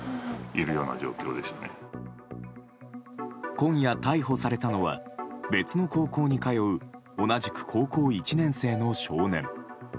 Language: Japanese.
今夜、逮捕されたのは別の高校に通う同じく高校１年生の少年。